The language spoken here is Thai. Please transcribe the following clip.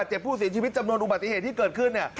เจ็บผู้เสียชีวิตจำนวนอุบัติเหตุที่เกิดขึ้นเนี่ย